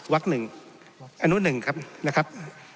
วักหนึ่งอันนุหนึ่งนะครับ